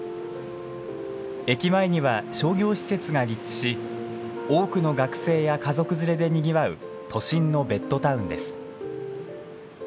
駅前には商業施設が立地し多くの学生や家族連れでにぎわう都心のベッドタウンです。